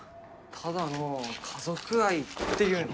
ただの家族愛っていうの？